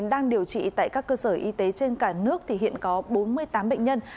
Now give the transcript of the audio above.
đang điều trị tại các cơ sở y tế trên cả nước thì hiện có bốn mươi tám bệnh nhân